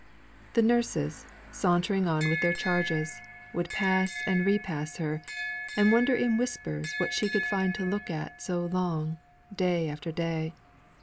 The nurses, sauntering on with their charges, would pass and repass her, and wonder in whispers what she could find to look at so long, day after day.